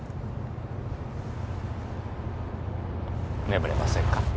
眠れませんか？